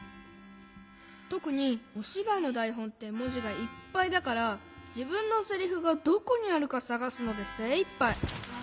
とくにおしばいのだいほんってもじがいっぱいだからじぶんのセリフがどこにあるかさがすのでせいいっぱい。